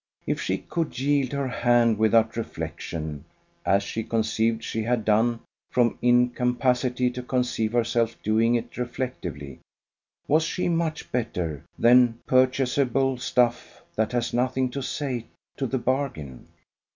If she could yield her hand without reflection (as she conceived she had done, from incapacity to conceive herself doing it reflectively) was she much better than purchaseable stuff that has nothing to say to the bargain?